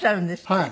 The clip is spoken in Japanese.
はい。